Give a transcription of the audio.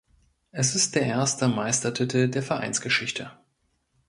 Es ist der erste Meistertitel der Vereinsgeschichte.